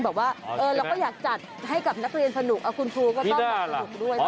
บอกว่าเราก็อยากจัดให้กับนักเรียนสนุกคุณครูก็ต้องแบบสนุกด้วย